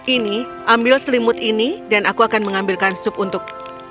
ini ambil selimut ini dan aku akan mengambilkan sup untuk